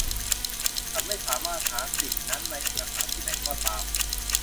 ฉันไม่สามารถหาสิ่งนั้นในเอกสารที่ไหนก็ตาม